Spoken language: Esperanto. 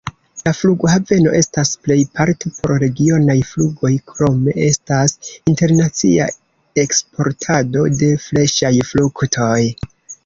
La flughaveno estas plejparte por regionaj flugoj, krome estas internacia eksportado de freŝaj fruktoj.